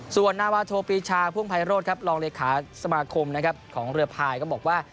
ส่วนนาวาโทปีชาพ่วงไพโรธครับรองเลขาสมาคมนะครับของเรือพายก็บอกว่า